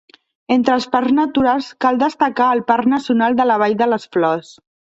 Entre els parcs naturals cal destacar el Parc Nacional de la Vall de les Flors.